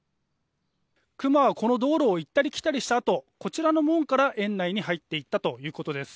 クマはこの道路を行ったり来たりしたあとこちらの門から園内に入っていったということです。